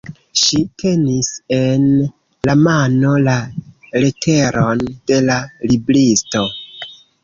Ŝi tenis en la mano la leteron de la libristo.